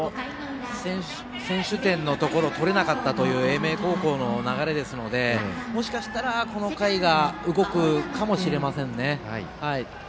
先取点を取れなかった英明高校の流れですのでもしかしたら、この回で動くかもしれませんね。